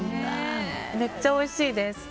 めっちゃおいしいです。